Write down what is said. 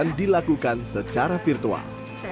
yang dilakukan secara virtual